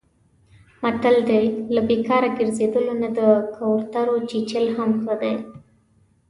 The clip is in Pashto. متل دی: له بیکاره ګرځېدلو نه د کورتو چیچل هم ښه دي.